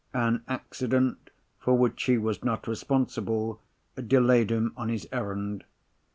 An accident, for which he was not responsible, delayed him on his errand.